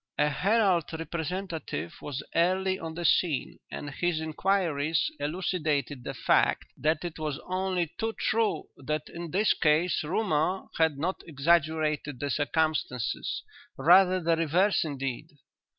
"'A Herald representative was early on the scene, and his inquiries elucidated the fact that it was only too true that in this case rumour had not exaggerated the circumstances, rather the reverse indeed.